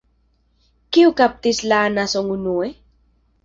Kiu kaptis la anason unue?